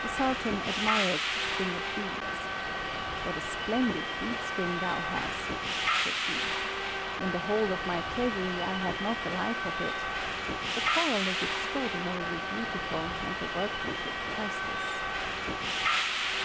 The Sultan admired the string of beads. "What a splendid bead string thou hast," said he. "In the whole of my treasury I have not the like of it. The coral is extraordinarily beautiful, and the workmanship priceless."